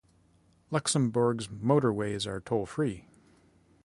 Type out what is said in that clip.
Luxembourg's motorways are toll free.